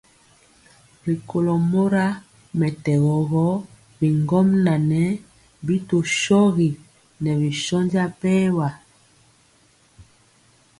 Rikólo mora mɛtɛgɔ gɔ bigɔmŋa ŋɛɛ bi tɔ shogi ŋɛɛ bi shónja bɛɛwa bɛnja.